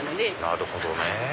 なるほどね。